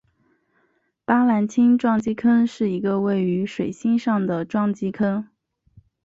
巴兰钦撞击坑是一个位于水星上的撞击坑。